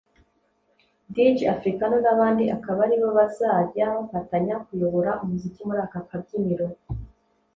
Dj Africano n’abandi akaba aribo bazajya bafatanya kuyobora umuziki muri aka kabyiniro